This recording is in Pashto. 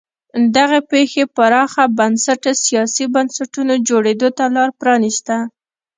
دغې پېښې پراخ بنسټه سیاسي بنسټونو جوړېدو ته لار پرانیسته.